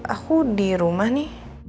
aku di rumah nih